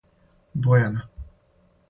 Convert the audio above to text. Бојана